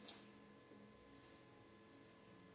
Koral uharri handiak sortu ziren ekialde-mendebalde norabidean.